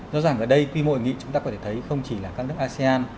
do rằng ở đây quy mô hội nghị chúng ta có thể thấy không chỉ là các nước asean